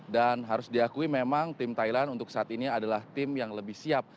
dan harus diakui memang tim thailand untuk saat ini adalah tim yang lebih siap